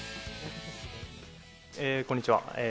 こんにちは。